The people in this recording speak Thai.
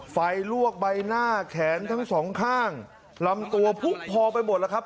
ลวกใบหน้าแขนทั้งสองข้างลำตัวพุกพอไปหมดแล้วครับ